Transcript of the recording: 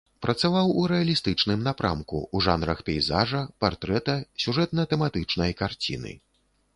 Працаваў у рэалістычным напрамку, у жанрах пейзажа, партрэта, сюжэтна-тэматычнай карціны.